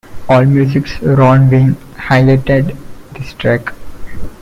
Allmusic's Ron Wynn highlighted this track.